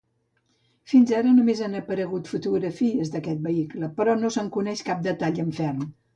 Fins ara només han aparegut fotografies d'aquest vehicle, però no se'n coneix cap detall en ferm.